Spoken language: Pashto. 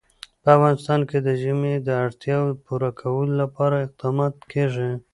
په افغانستان کې د ژمی د اړتیاوو پوره کولو لپاره اقدامات کېږي.